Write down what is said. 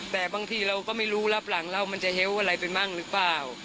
แต่บางทีเราก็ไม่รู้รับหลังเรามันจะเฮ้วอะไรไปบ้างหรือเปล่า